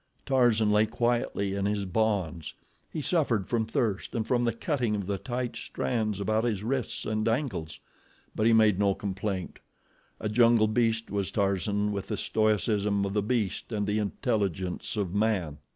Tarzan lay quietly in his bonds. He suffered from thirst and from the cutting of the tight strands about his wrists and ankles; but he made no complaint. A jungle beast was Tarzan with the stoicism of the beast and the intelligence of man.